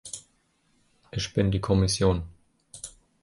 Ich bin die Kommission.